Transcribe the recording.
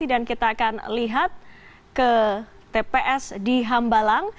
kita akan lihat ke tps di hambalang